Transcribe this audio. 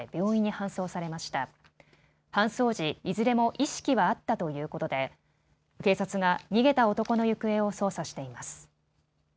搬送時、いずれも意識はあったということで警察が逃げた男の行方を捜査しています。